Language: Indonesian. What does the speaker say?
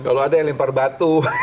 kalau ada yang lempar batu